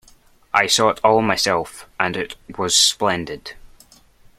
I saw it all myself, and it was splendid.